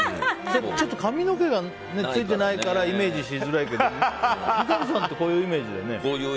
ちょっと髪の毛がついていないからイメージしづらいけど三上さんってこういうイメージ。